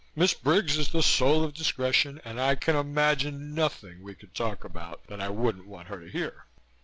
"Miss Briggs is the soul of discretion and I can imagine nothing we could talk about that I wouldn't want her to hear."